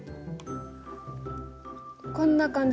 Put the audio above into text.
こんな感じ？